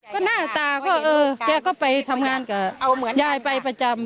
ก็หน้าตาก็เออแกก็ไปทำงานกับยายไปประจำ